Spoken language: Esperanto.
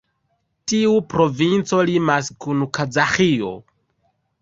Tiu provinco limas kun Kazaĥio.